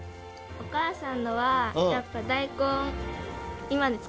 お母さんのはやっぱ大根。